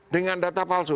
dengan data palsu